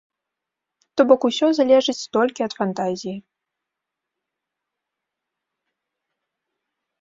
То бок усё залежыць толькі ад фантазіі.